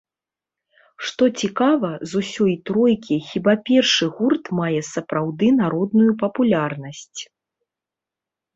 Што цікава, з усёй тройкі хіба першы гурт мае сапраўды народную папулярнасць.